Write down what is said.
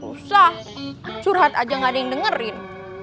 susah curhat aja gak ada yang dengerin